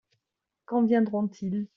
Quand viendront-ils ?